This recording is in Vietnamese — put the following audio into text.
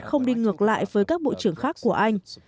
không đi ngược lại với các bộ trưởng khác của anh